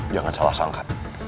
jangan salah sangka